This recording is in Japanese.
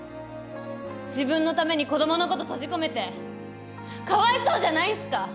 自分のために子どもの事閉じ込めてかわいそうじゃないんすか？